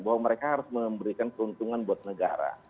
bahwa mereka harus memberikan keuntungan buat negara